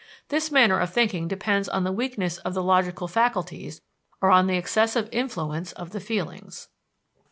This manner of thinking depends on the weakness of the logical faculties or on the excessive influence of the feelings.